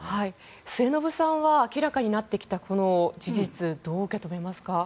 末延さんは明らかになってきたこの事実どう受け止めますか？